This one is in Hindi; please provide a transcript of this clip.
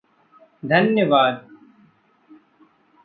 धन्यवाद!